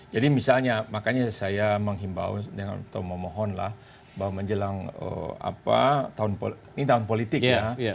jadi misalnya makanya saya menghimbau atau memohonlah bahwa menjelang tahun politik ya